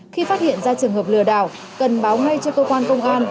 khi phát hiện ra trường hợp lừa đảo cần báo ngay cho cơ quan công an